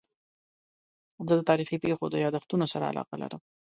زه د تاریخي پېښو د یادښتونو سره علاقه لرم.